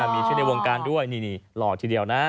มีชื่อในวงการด้วยนี่หล่อทีเดียวนะ